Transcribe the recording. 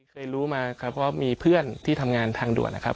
เคยรู้มาครับว่ามีเพื่อนที่ทำงานทางด่วนนะครับ